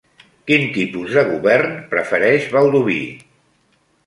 Quin tipus de govern prefereix Baldoví?